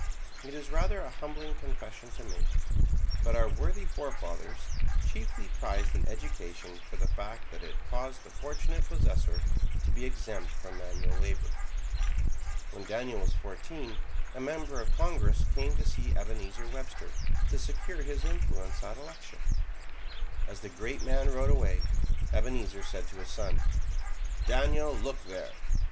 It is rather a humbling confession to make, but our worthy forefathers chiefly prized an education for the fact that it caused the fortunate possessor to be exempt from manual labor. When Daniel was fourteen, a member of Congress came to see Ebenezer Webster, to secure his influence at election. As the great man rode away, Ebenezer said to his son: "Daniel, look there!